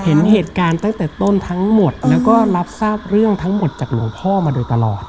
เห็นเหตุการณ์ตั้งแต่ต้นทั้งหมดแล้วก็รับทราบเรื่องทั้งหมดจากหลวงพ่อมาโดยตลอด